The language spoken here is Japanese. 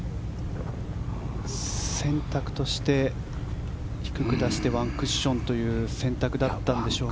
選択として低く出してワンクッションという選択だったんでしょうが。